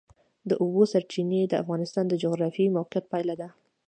د اوبو سرچینې د افغانستان د جغرافیایي موقیعت پایله ده.